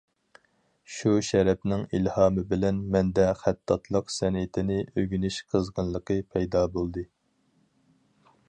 شۇ شەرەپنىڭ ئىلھامى بىلەن، مەندە خەتتاتلىق سەنئىتىنى ئۆگىنىش قىزغىنلىقى پەيدا بولدى.